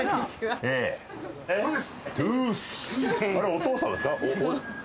お父さんですか？